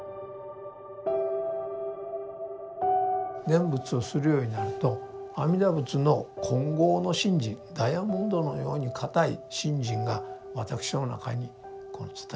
念仏をするようになると阿弥陀仏の金剛の信心ダイヤモンドのように固い信心が私の中にこの伝えられてくると。